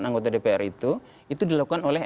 anggota dpr itu itu dilakukan oleh